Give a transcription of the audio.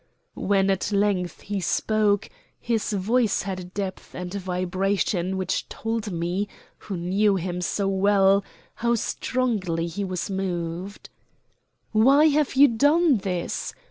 When at length he spoke, his voice had a depth and vibration which told me, who knew him so well, how strongly he was moved. "Why have you done this?